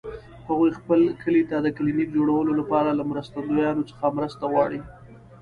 هغوی خپل کلي ته د کلینیک جوړولو لپاره له مرستندویانو څخه مرسته غواړي